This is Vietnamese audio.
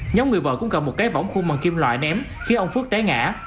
nhóm người vợ cũng cầm một cái vỏng khung bằng kim loại ném khiến ông phước té ngã